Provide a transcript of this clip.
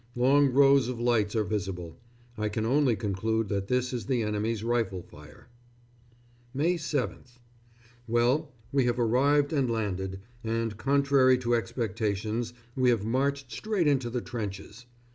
Long rows of lights are visible. I can only conclude that that is the enemy's rifle fire. May 7th. Well, we have arrived and landed, and contrary to expectations we have marched straight into the trenches.